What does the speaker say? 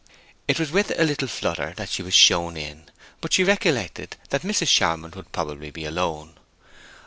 It was with a little flutter that she was shown in; but she recollected that Mrs. Charmond would probably be alone.